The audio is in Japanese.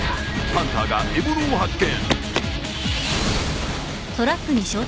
ハンターが獲物を発見。